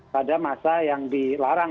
pada masa yang dilarang